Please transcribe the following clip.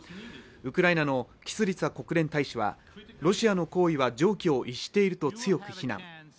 ウクライナのキスリツァ国連大使は「ロシアの行為は常軌を逸している」と強く非難。